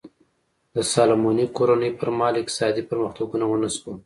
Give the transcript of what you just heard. د سالومونیک کورنۍ پر مهال اقتصادي پرمختګونه ونه شول.